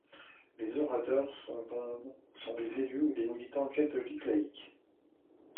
Les orateurs sont des élus ou des militants catholiques laics.